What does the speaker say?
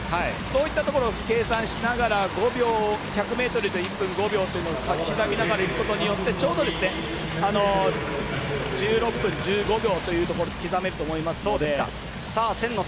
そういったところを計算しながら１００ｍで１分５秒と刻みながらいくことによってちょうど１６分１５秒というところを刻めると思いますので。